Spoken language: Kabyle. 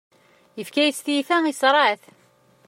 Yefka-yas tiyita iṣreɛ-it.